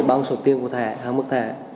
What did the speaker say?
bằng số tiền của thẻ hạng mức thẻ